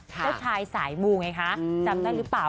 เจ้าชายสายมูไงคะจำได้หรือเปล่า